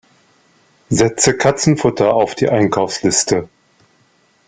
Setze Katzenfutter auf die Einkaufsliste!